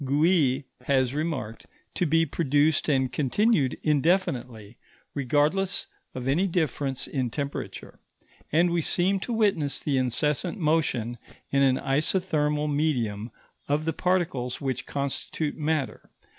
Gouy has remarked, to be produced and continued indefinitely, regardless of any difference in temperature; and we seem to witness the incessant motion, in an isothermal medium, of the particles which constitute matter.